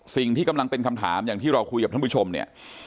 สิ่งที่กำลังเป็นคำถามอย่างที่เราคุยกับท่านผู้ชมเนี่ย